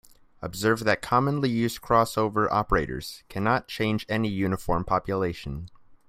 Observe that commonly used crossover operators cannot change any uniform population.